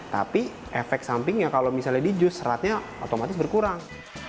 tapi efek sampingnya kalau misalnya dijus seratnya otomatis berkurang